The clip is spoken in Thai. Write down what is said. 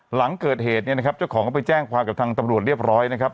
หลังเกิดเหตุเนี่ยนะครับเจ้าของก็ไปแจ้งความกับทางตำรวจเรียบร้อยนะครับ